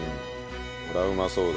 これはうまそうだ。